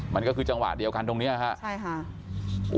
มันก็คือจังหวะเดียวกันตรงนี้ครับใช่ค่ะ